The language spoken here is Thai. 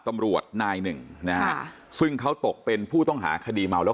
ตำรวจนายหนึ่งนะฮะซึ่งเขาตกเป็นผู้ต้องหาคดีเมาแล้ว